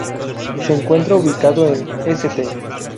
Se encuentra ubicado en St.